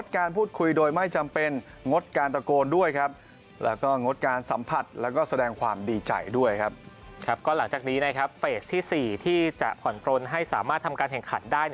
ก็หลังจากนี้เฟสที่๔ที่จะผ่อนปลนให้สามารถทำการแข่งขันได้